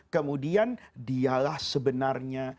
kemudian dialah sebenarnya